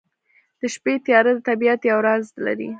د شپې تیاره د طبیعت یو راز لري.